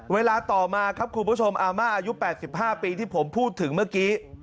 เวลาต่อมาครับคุณผู้ชมอาม่าอายุ๘๕ปีที่ผมพูดถึงเมื่อกี้